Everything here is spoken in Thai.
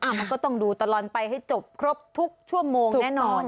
มันก็ต้องดูตลอดไปให้จบครบทุกชั่วโมงแน่นอน